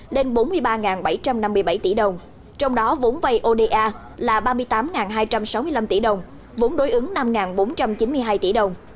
lên bốn mươi ba bảy trăm năm mươi bảy tỷ đồng trong đó vốn vay oda là ba mươi tám hai trăm sáu mươi năm tỷ đồng vốn đối ứng năm bốn trăm chín mươi hai tỷ đồng